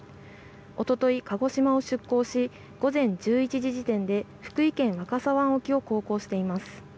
おととい、鹿児島を出港し午前１１時時点で福井県・若狭湾沖を航行しています。